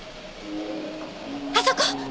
あそこ！